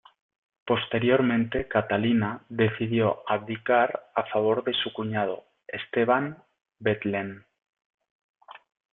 Posteriormente, Catalina decidió abdicar a favor de su cuñado Esteban Bethlen.